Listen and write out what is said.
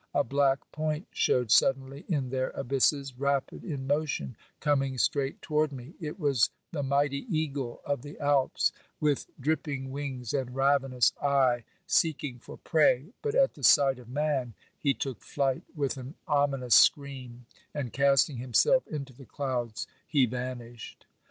A black point showed suddenly in their abysses, rapid in motion, coming straight toward me; it was the mighty eagle of the Alps, with dripping wings and ravenous eye, seeking for prey, but at the sight of man he took flight with an ominous scream, and casting himself into the clouds, he vanished.